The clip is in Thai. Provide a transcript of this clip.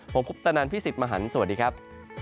ผมคุปตะนันพี่สิทธิ์มหันฯสวัสดีครับ